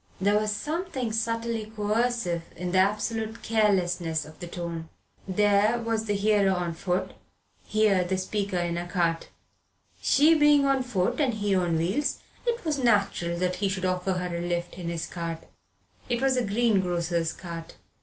There was something subtly coercive in the absolute carelessness of the tone. There was the hearer on foot here was the speaker in a cart. She being on foot and he on wheels, it was natural that he should offer her a lift in his cart it was a greengrocer's cart.